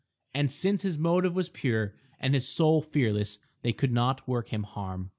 And, since his motive was pure and his soul fearless, they could not work him harm.